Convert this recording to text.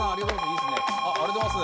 ありがとうございます。